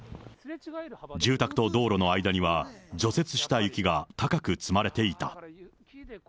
住宅と道路の間には、除雪した雪が高く積まれていた。